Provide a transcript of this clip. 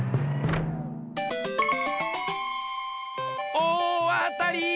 おおあたり！